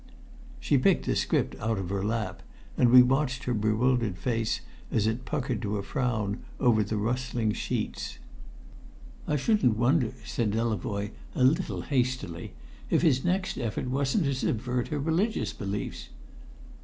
She picked the script out of her lap, and we watched her bewildered face as it puckered to a frown over the rustling sheets. "I shouldn't wonder," said Delavoye a little hastily, "if his next effort wasn't to subvert her religious beliefs."